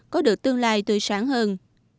có được tương lai tươi sáng hơn